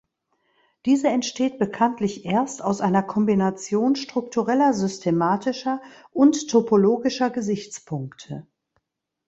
Diese entsteht bekanntlich erst aus einer Kombination struktureller, systematischer und topologischer Gesichtspunkte.